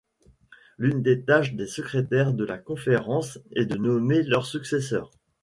L'une des tâches des secrétaires de la Conférence est de nommer leurs successeurs.